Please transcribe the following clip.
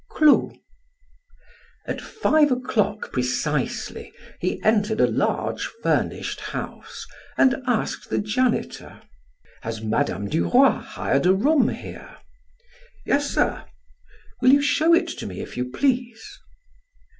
CLO." At five o'clock precisely he entered a large furnished house and asked the janitor: "Has Mme. Duroy hired a room here?" "Yes, sir." "Will you show me to it, if you please?"